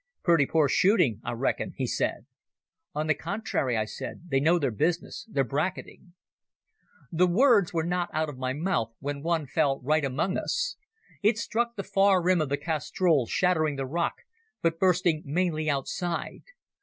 "Pretty poor shooting, I reckon," he said. "On the contrary," I said, "they know their business. They're bracketing ..." The words were not out of my mouth when one fell right among us. It struck the far rim of the castrol, shattering the rock, but bursting mainly outside.